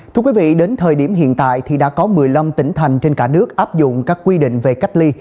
thưa quý vị đến thời điểm hiện tại thì đã có một mươi năm tỉnh thành trên cả nước áp dụng các quy định về cách ly